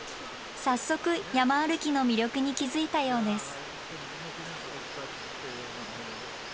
早速山歩きの魅力に気付いたようです。